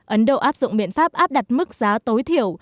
ấn độ áp dụng biện pháp áp đặt mức giá tối thiểu